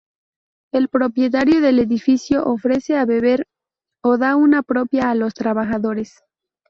El propietario del edificio ofrece a beber o da una propina a los trabajadores.